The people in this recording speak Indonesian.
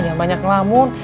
jangan banyak ngelamun